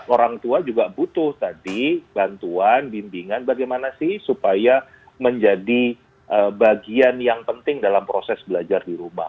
orang tua juga butuh tadi bantuan bimbingan bagaimana sih supaya menjadi bagian yang penting dalam proses belajar di rumah